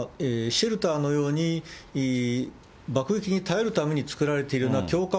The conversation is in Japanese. シェルターのように、爆撃に耐えるために作られているような強化